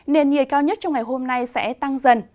nền nhiệt cao nhất trong ngày hôm nay sẽ tăng dần